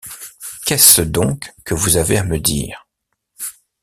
Qu’est-ce donc que vous avez à me dire?